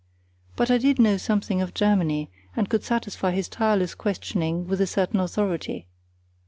But I did know something of Germany, and could satisfy his tireless questioning with a certain authority.